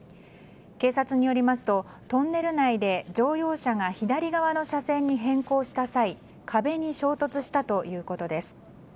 警察によりますとトンネル内で乗用車が左側の車線に変更した際壁に衝突したということです。